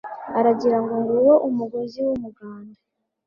agira ngo: Ng’uwo umugozi w’umuganda